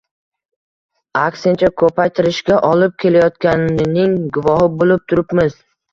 aksincha, ko‘paytirishga olib kelayotganining guvohi bo‘lib turibmiz.